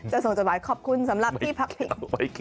จะส่งจดหมายขอบคุณสำหรับพี่พระ